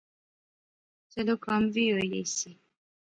چلو کم وی ہوئی ایسی